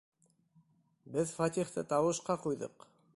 Беҙ Фәтихте тауышҡа ҡуйҙыҡ!